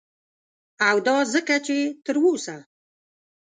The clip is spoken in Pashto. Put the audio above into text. او دا ځکه چه تر اوسه